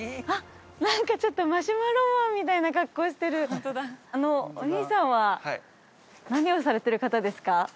あっ何かちょっとマシュマロマンみたいな格好してるあのお兄さんは何をされてる方ですか？